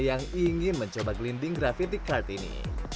yang ingin mencoba glinding graffiti car ini